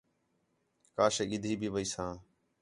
کا شے گِدھی بھی ویساں